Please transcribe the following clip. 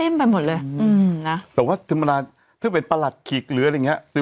ไม่แต่เมื่อกี้ก็เบอร์